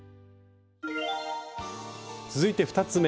続いて２つ目。